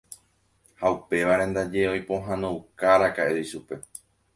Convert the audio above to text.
Ha upévare ndaje oipohãnoukáraka'e ichupe.